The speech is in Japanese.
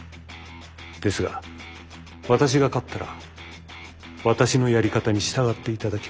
ですが私が勝ったら私のやり方に従って頂きます。